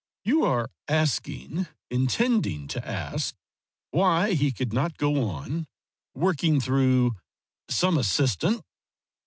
"You are asking, intending to ask, why he could not go on, working through some assistant?"